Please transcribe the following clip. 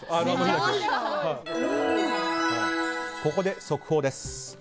ここで速報です。